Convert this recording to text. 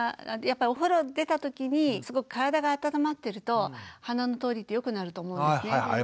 やっぱりお風呂を出たときにすごく体が温まってると鼻の通りって良くなると思うんですね。